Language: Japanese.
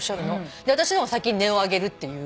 私の方が先に音を上げるっていう。